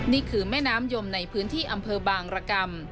นี่คือแม่น้ำยมในพื้นที่อำเภอบางรกรรม